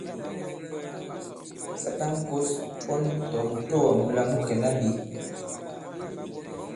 Sa tǎn kǒs pɔn tɔ̀ mùtoà mūla mu kɛ̀na ɓě !